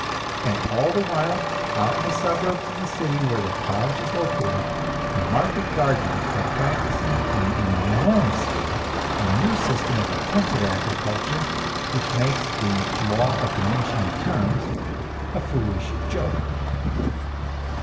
And all the while, out in the suburbs of the city where the college is located, market gardeners are practicing on an enormous scale a new system of intensive agriculture which makes the "law of diminishing returns" a foolish joke.